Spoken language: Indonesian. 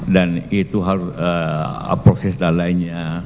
dan itu harus proses lainnya